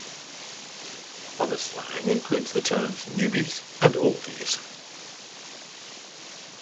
Other slang includes the terms "newbies" and "oldies".